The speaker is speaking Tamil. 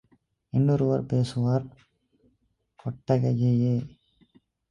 இன்னொருவர் பேசுவார் கொட்டகையையே.